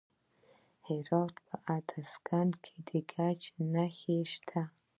د هرات په ادرسکن کې د ګچ نښې شته.